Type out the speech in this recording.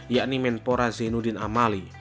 yakni menpora zinuddin amali